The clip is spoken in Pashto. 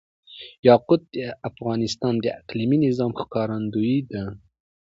یاقوت د افغانستان د اقلیمي نظام ښکارندوی ده.